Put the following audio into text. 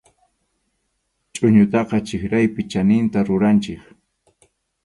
Chʼuñutaqa chirawpi chaninta ruranchik.